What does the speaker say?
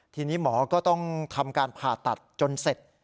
ทีนี้หมอก็ต้องทำการผ่าตัดจนเสร็จ